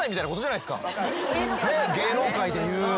芸能界でいう。